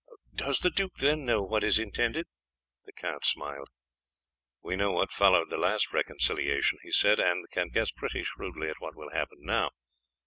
"Does the duke, then, know what is intended?" The count smiled. "We know what followed the last reconciliation," he said, "and can guess pretty shrewdly at what will happen now.